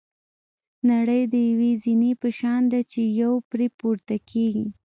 نړۍ د یوې زینې په شان ده چې یو پرې پورته کېږي.